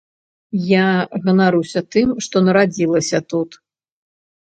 Я ганаруся тым, што нарадзілася тут.